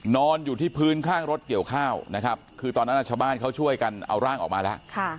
นอนอยู่ที่พื้นข้างรถเกี่ยวข้าวนะครับคือตอนนั้นชาวบ้านเขาช่วยกันเอาร่างออกมาแล้ว